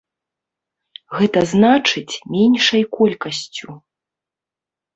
Гэта значыць, меншай колькасцю.